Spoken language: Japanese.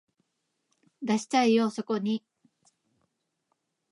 出しちゃえよそこに